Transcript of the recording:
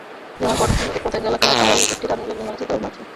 যেমন কর্ণফুলী নদীর পতেঙ্গা এলাকায় আরও একটি টার্মিনাল নির্মাণের চিন্তাভাবনা আছে।